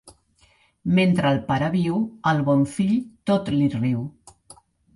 Mentre el pare viu, al bon fill tot li riu.